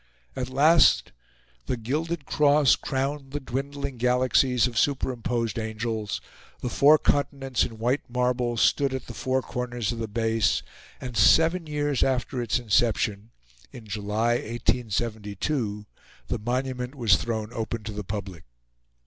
At last the gilded cross crowned the dwindling galaxies of superimposed angels, the four continents in white marble stood at the four corners of the base, and, seven years after its inception, in July, 1872, the monument was thrown open to the public.